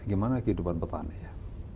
gimana kehidupan petani ya